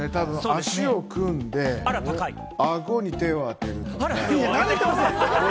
足を組んで、顎に手を当てる。